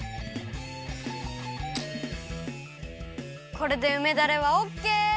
これでうめだれはオッケー！